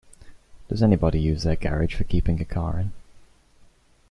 Does anybody use their garage for keeping a car in?